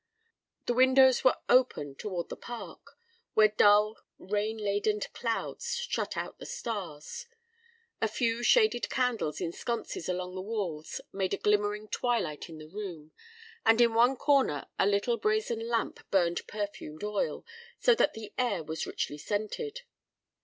The windows were open toward the park, where dull, rain ladened clouds shut out the stars. A few shaded candles in sconces along the walls made a glimmering twilight in the room, and in one corner a little brazen lamp burned perfumed oil, so that the air was richly scented.